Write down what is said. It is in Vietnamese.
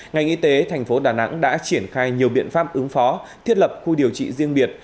ngành y tế thành phố đà nẵng đã triển khai nhiều biện pháp ứng phó thiết lập khu điều trị riêng biệt